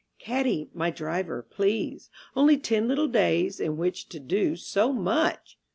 Caddie, my driver, please. Only ten little days, in which to do So much!